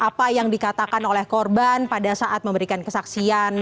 apa yang dikatakan oleh korban pada saat memberikan kesaksian